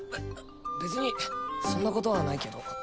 べ別にそんなことはないけど。